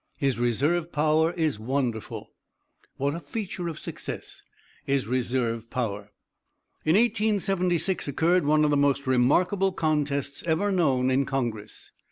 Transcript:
His reserve power is wonderful. What a feature of success is reserve power. In 1876 occurred one of the most remarkable contests ever known in Congress.